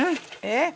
えっ！